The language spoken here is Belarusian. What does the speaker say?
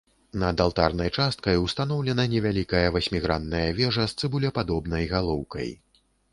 Над алтарнай часткай устаноўлена невялікая васьмігранная вежа з цыбулепадобнай галоўкай.